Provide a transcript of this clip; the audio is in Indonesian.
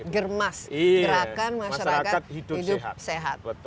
germas gerakan masyarakat hidup sehat